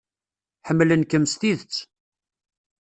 Ḥemmlen-kem s tidet.